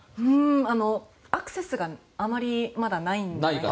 アクセスがあまりないので。